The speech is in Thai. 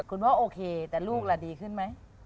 คุณพ่อโอเคแต่ลูกล่ะดีขึ้นไหม